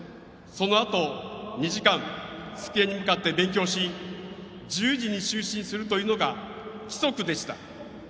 そのあと、２時間机に向かって勉強し１０時に就寝するというのが規則でした。